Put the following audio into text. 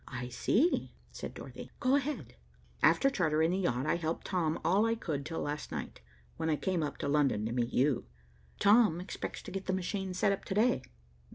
"I see," said Dorothy. "Go ahead." "After chartering the yacht, I helped Tom all I could till last night, when I came up to London to meet you. Tom expects to get the machine set up to day.